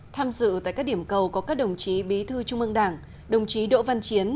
tham dự tại các điểm cầu có các đồng chí bí thư trung ương đảng đồng chí đỗ văn chiến